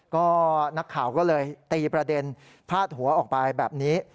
ก็นักข่าวก็เลยตีประเด็นพาดหัวออกไปแบบนี้